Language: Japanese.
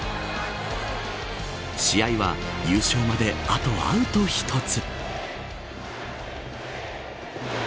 試合は、優勝まであとアウト一つ。